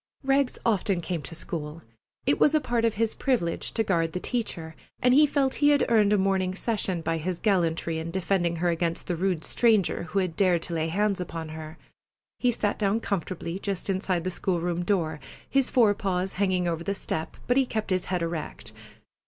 Rags often came to school. It was a part of his privilege to guard the teacher, and he felt he had earned a morning session by his gallantry in defending her against the rude stranger who had dared to lay hands upon her. He sat down comfortably just inside the school room door, his forepaws hanging over the step, but he kept his head erect.